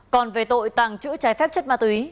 còn về tội tàng trữ trái phép chất ma túy